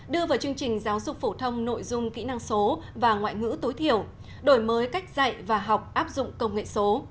đưa vào chương trình giáo dục phổ thông nội dung kỹ năng số và ngoại ngữ tối thiểu đổi mới cách dạy và học áp dụng công nghệ số